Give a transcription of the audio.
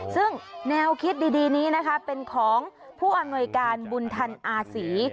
ซึ่งแนวคิดดีนี้นะคะเป็นของผู้อำนวยการบุญทันอาศี